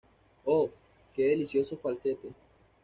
Oh, que delicioso falsete.